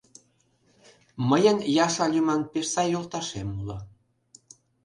Мыйын Яша лӱман пеш сай йолташем уло.